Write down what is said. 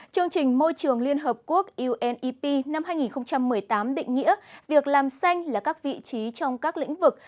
chương trình môi trường liên hợp quốc unep năm hai nghìn một mươi tám định nghĩa việc làm xanh là các vị trí trong các lĩnh vực